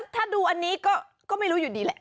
ถ้าดูอันนี้ก็ไม่รู้อยู่ดีแหละ